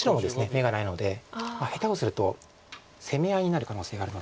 眼がないので下手をすると攻め合いになる可能性があるので。